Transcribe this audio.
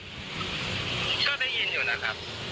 ก็ได้ยินอยู่นะครับ